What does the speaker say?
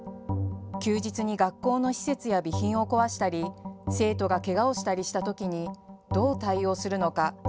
休日に学校の施設や備品を壊したり生徒がけがをしたりしたときにどう対応するのか。